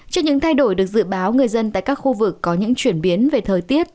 trước những thay đổi được dự báo người dân tại các khu vực có những chuyển biến về thời tiết